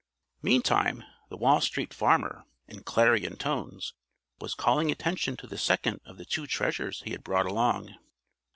Meantime, the Wall Street Farmer, in clarion tones, was calling attention to the second of the two treasures he had brought along.